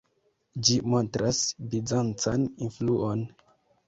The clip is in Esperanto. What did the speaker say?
Ĝi montras bizancan influon.